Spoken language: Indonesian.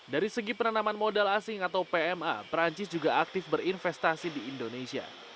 dari segi penanaman modal asing atau pma perancis juga aktif berinvestasi di indonesia